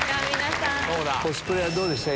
コスプレはどうでした？